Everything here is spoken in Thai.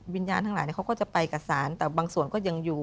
วิญญาณทั้งหลายเขาก็จะไปกับศาลแต่บางส่วนก็ยังอยู่